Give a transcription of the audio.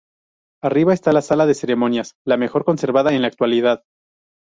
Arriba, está la sala de ceremonias, la mejor conservada en la actualidad.